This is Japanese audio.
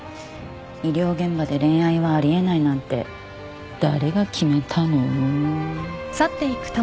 医療現場で恋愛はあり得ないなんて誰が決めたの？